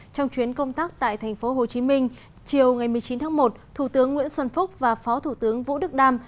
trong chuyến công tác tại tp hcm chiều ngày một mươi chín tháng một thủ tướng nguyễn xuân phúc và phó thủ tướng vũ đức đam